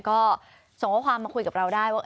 ก็ส่งข้อความมาคุยกับเราได้ว่า